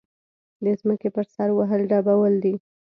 د ځمکې پر سر وهل ډبول دي.